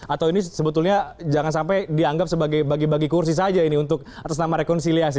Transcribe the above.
atau ini sebetulnya jangan sampai dianggap sebagai bagi bagi kursi saja ini untuk atas nama rekonsiliasi